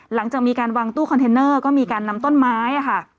หลังจากมีการวางตู้คอนเทนเนอร์ก็มีการนำต้นไม้ค่ะ